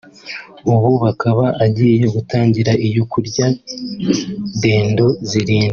ubu akaba agiye gutangira iyo kurya dendo zirindwi